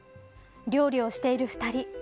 料理をしている２人。